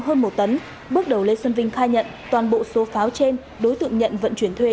hơn một tấn bước đầu lê xuân vinh khai nhận toàn bộ số pháo trên đối tượng nhận vận chuyển thuê